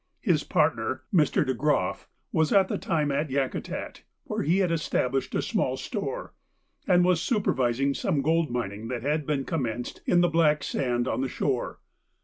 His partner, Mr. De Groff, was at that time at Yakutat, where he had established a small store, and was supervising some gold mining that had been commenced in the black sand on the shore.